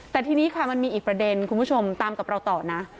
แต่ทีนี้ค่ะมันมีอีกประเด็นคุณผู้ชมตามกับเราต่อนะ